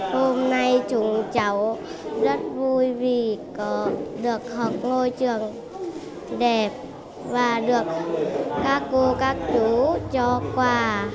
hôm nay chúng cháu rất vui vì có được học ngôi trường đẹp và được các cô các chú cho quà